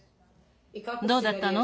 どうだったの？